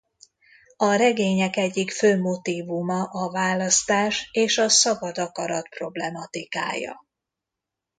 A regények egyik fő motívuma a választás és a szabad akarat problematikája.